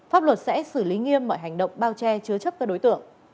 pháp luật sẽ xử lý nghiêm mọi hành động bao che chứa chấp các đối tượng